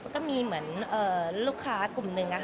ก็มีเหมือนลูกค้ากลุ่มหนึ่ง